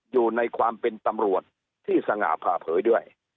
อยู่ในความเป็นตำรวจที่สง่าผ่าเผยด้วย